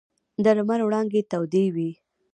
د لمر وړانګې تودې وې.